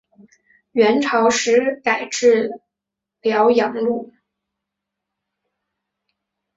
元朝时改置辽阳路。